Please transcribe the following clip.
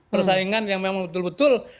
persaingan yang memang betul betul